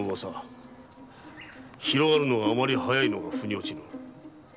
広がるのがあまり早いのが腑に落ちぬ。